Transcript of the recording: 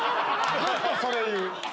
ずっとそれ言う！